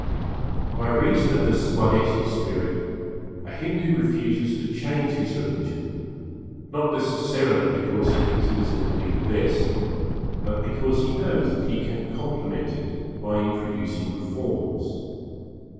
By reason of the Swadeshi spirit, a Hindu refuses to change his religion, not necessarily because he considers it to be the best, but because he knows that he can complement it by introducing reforms.